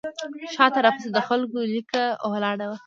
شاته راپسې د خلکو لیکه ولاړه ده.